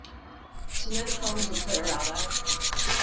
Do you know the poem Desiderata?